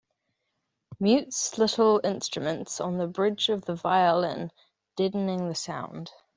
Mutes little instruments on the bridge of the violin, deadening the sound.